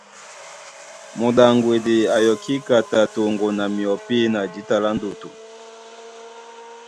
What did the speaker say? Mudaŋgwedi a yɔkí kata toŋgo na myɔpí na jíta lá ndutu.